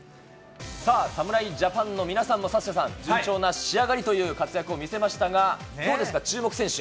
侍ジャパンの皆さんも、サッシャさん、順調な仕上がりという活躍を見せましたが、どうですか、注目選手。